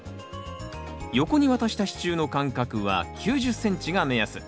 横に渡した支柱の間隔は９０ｃｍが目安。